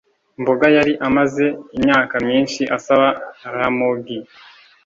mboga yari amaze imyaka myinshi asaba ramogi